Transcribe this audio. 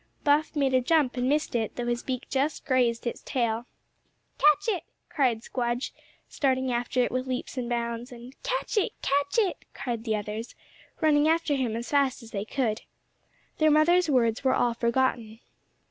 Buff made a jump and missed it, though his beak just grazed its tail. "Catch it!" cried Squdge, starting after it with leaps and bounds; and—"Catch it! catch it!" cried the others, running after him as fast as they could. Their mother's words were all forgotten.